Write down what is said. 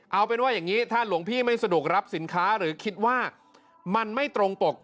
เอาเป็นว่าอย่างนี้ถ้าหลวงพี่ไม่สะดวกรับสินค้าหรือคิดว่ามันไม่ตรงปก